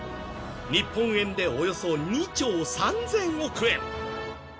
日本円でおよそ２兆３０００億円。